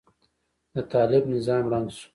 د طالب نظام ړنګ شو.